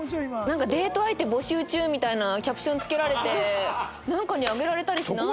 「デート相手募集中」みたいなキャプション付けられてなんかに上げられたりしない？